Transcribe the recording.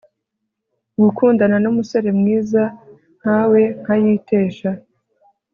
gukundana numusore mwiza nkawe nkayitesha